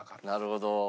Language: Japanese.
なるほど。